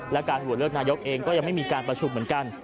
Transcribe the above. และการโหวตเลือกนายกเองก็ยังไม่มีการประชุมเหมือนกัน